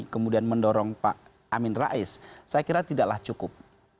kemudian mendorong pak amin rais saya kira tidaklah cukup